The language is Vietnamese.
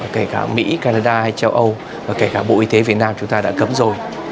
kể cả mỹ canada hay châu âu và kể cả bộ y tế việt nam chúng ta đã cấm rồi